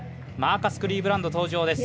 マーカス・クリーブランド、登場。